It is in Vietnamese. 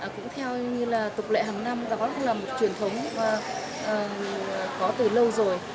cũng theo như là tục lễ hàng năm là một truyền thống có từ lâu rồi